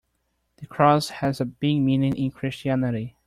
The cross has a big meaning in Christianity.